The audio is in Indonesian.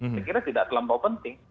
saya kira tidak terlampau penting